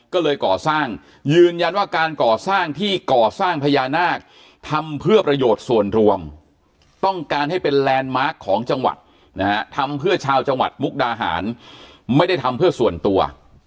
ก็เลยก่อสร้างยืนยันว่าการก่อสร้างที่ก่อสร้างพญานาคทำเพื่อประโยชน์ส่วนรวมต้องการให้เป็นแลนด์มาร์คของจังหวัดนะฮะทำเพื่อชาวจังหวัดมุกดาหารไม่ได้ทำเพื่อส่วนตัว